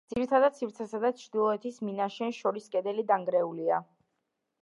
ძირითად სივრცესა და ჩრდილოეთის მინაშენს შორის კედელი დანგრეულია.